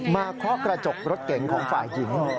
เคาะกระจกรถเก๋งของฝ่ายหญิง